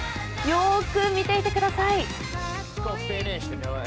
よーく見ていてください。